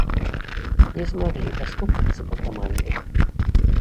Не змаглі дастукацца да каманды.